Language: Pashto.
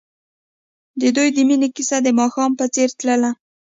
د دوی د مینې کیسه د ماښام په څېر تلله.